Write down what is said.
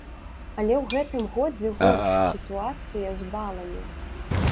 Але ў гэтым годзе горш сітуацыя з баламі.